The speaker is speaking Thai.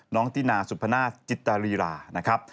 น้องตินาสุภนาธิจิตรีรานะครับ